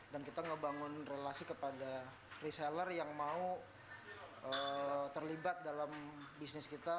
dan kita ngebangun relasi kepada reseller yang mau terlibat dalam bisnis kita